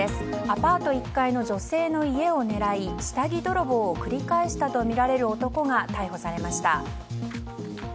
アパート１階の女性の家を狙い下着泥棒を繰り返したとみられる男が逮捕されました。